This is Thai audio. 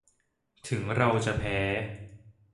ถึงเราจะแพ้